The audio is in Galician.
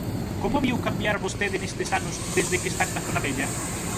Como a viu cambiar vostede nestes anos, desde que están na zona vella?